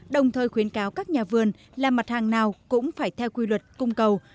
đồng thời khuyến cáo các nhà vườn là mặt hàng nào cũng phải theo quy luật cung cầu